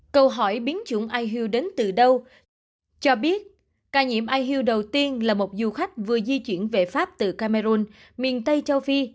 câu hỏi biến chủng ihu đến từ đâu cho biết ca nhiễm ihu đầu tiên là một du khách vừa di chuyển về pháp từ camera miền tây châu phi